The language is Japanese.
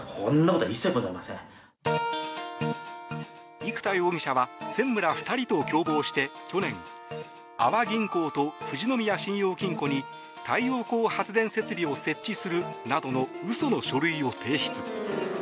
生田容疑者は専務ら２人と共謀して去年阿波銀行と富士宮信用金庫に太陽光発電設備を設置するなどの嘘の書類を提出。